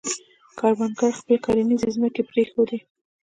کروندګرو خپلې کرنیزې ځمکې پرېښودې.